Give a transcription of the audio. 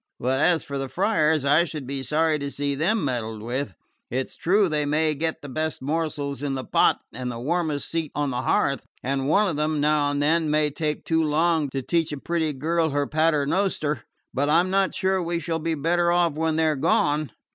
But as for the friars, I should be sorry to see them meddled with. It's true they may get the best morsel in the pot and the warmest seat on the hearth and one of them, now and then, may take too long to teach a pretty girl her Pater Noster but I'm not sure we shall be better off when they're gone.